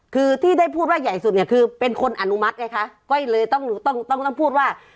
คือที่ได้พูดว่าใหญ่สุดเนี่ยคือเป็นคนอนุมัติไงคะก้อยเลยต้องต้องต้องพูดว่า